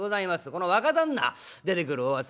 この若旦那出てくるお噂